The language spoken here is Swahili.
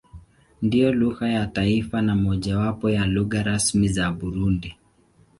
Ndiyo lugha ya taifa na mojawapo ya lugha rasmi za Burundi.